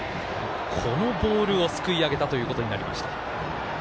このボールをすくい上げたということになりました。